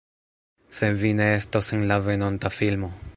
Se vi ne estos en la venonta filmo